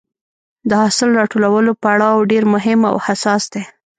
د حاصل راټولولو پړاو ډېر مهم او حساس دی.